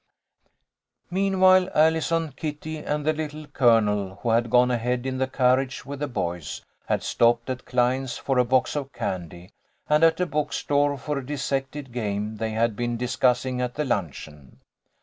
Meanwhile Allison, Kitty, and the Little Colonel, who had gone ahead in the carriage with the boys, had stopped at Klein's for a box of candy, and at a book store for a dissected game they had been dis cussing at the luncheon.